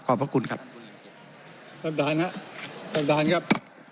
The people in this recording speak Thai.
พระคุณครับท่านประธานครับท่านประธานครับ